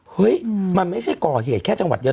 เฮ้ยมันไม่ใช่ก่อเหตุแค่จังหวัดเดียว